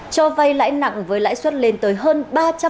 cho vay lãi nặng với lãi suất lên tới hơn ba trăm linh một năm